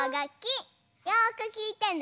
よくきいてね。